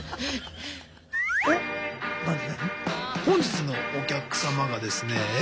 本日のお客様がですね